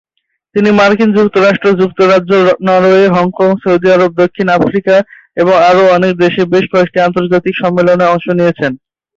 তিনি মার্কিন যুক্তরাষ্ট্র, যুক্তরাজ্য, নরওয়ে, হংকং, সৌদি আরব, দক্ষিণ আফ্রিকা এবং আরও অনেক দেশে বেশ কয়েকটি আন্তর্জাতিক সম্মেলনে অংশ নিয়েছেন।